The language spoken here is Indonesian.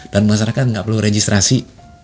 dan masyarakat gak perlu registrasi